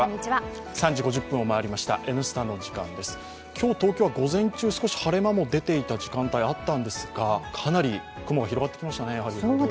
今日、東京は午前中少し晴れ間も出ていた時間帯もあったんですがかなり雲が広がってきましたね。